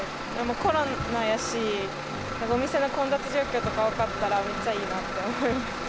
コロナだし、お店の混雑状況とか分かったらめっちゃいいなと思います。